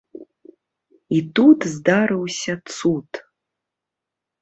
І тут здарыўся цуд.